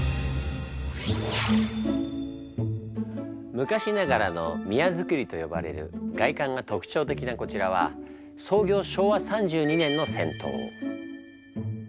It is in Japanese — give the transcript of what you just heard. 昔ながらの宮造りと呼ばれる外観が特徴的なこちらは創業昭和３２年の銭湯。